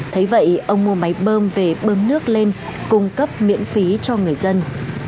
thế vậy ông mua máy bơm về bơm nước lên cung cấp miễn phí cho người dân